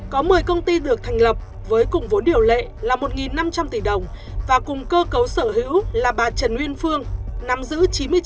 có một mươi công ty được thành lập với cùng vốn điều lệ là một năm trăm linh tỷ đồng và cùng cơ cấu sở hữu là bà trần uyên phương nắm giữ chín mươi chín